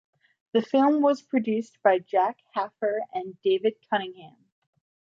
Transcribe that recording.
The film was produced by Jack Hafer and David Cunningham.